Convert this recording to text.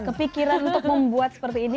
kepikiran untuk membuat seperti ini